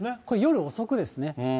これ、夜遅くですね。